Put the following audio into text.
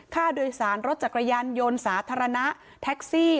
ค่าโดยสารรถจักรยานยนต์สาธารณะแท็กซี่